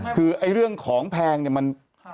คือเรื่องของแพงมัน